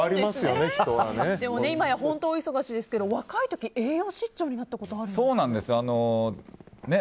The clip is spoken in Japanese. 今や本当、大忙しですけど若い時、栄養失調になったことがあるんですね。